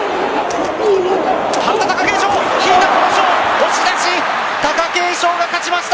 押し出し貴景勝が勝ちました。